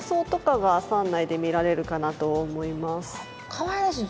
かわいらしい。